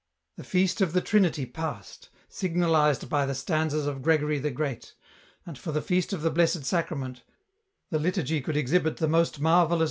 The Feast of the Trinity passed, signalized by the stanzas of Gregory the Great ; and for the Feast of the Blessed Sacrament, the liturgy could exhibit the most marvellous 280 EN ROUTE.